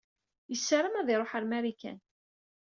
Yessaram ad iṛuḥ ar Marikan.